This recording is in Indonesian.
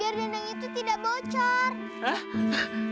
biar dandang itu tidak bocok